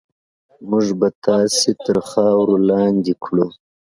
موږ به تاسې تر خاورو لاندې کړو.